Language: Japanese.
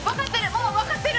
もう分かってる。